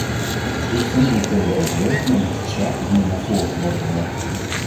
Drie fundamentele overwegingen in dit verslag dienen naar voren te worden gebracht.